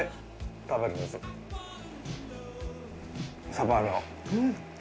サバの。